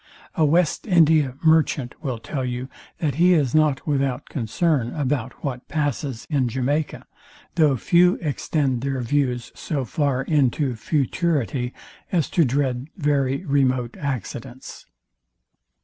A West Indian merchant will tell you, that he is not without concern about what passes in Jamaica; though few extend their views so far into futurity, as to dread very remote accidents.